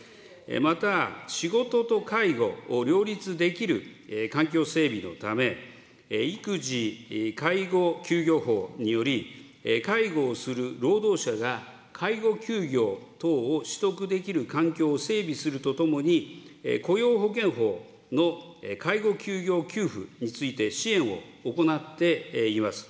また、仕事と介護を両立できる環境整備のため、育児介護休業法により、介護をする労働者が介護休業等を取得できる環境を整備するとともに、雇用保険法の介護休業給付について支援を行っています。